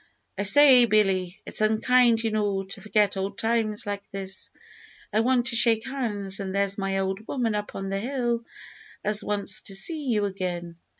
"I say, Billy, it's unkind, you know, to forget old times like this. I want to shake hands; and there's my old woman up on the hill as wants to see you again."